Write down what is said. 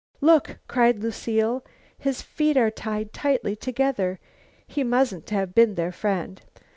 "Look," cried Lucile, "his feet are tied tightly together! He mustn't have been their friend.